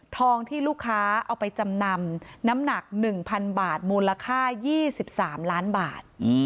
ทองที่ลูกค้าเอาไปจำนำน้ำหนัก๑๐๐๐บาทมูลค่า๒๓ล้านบาท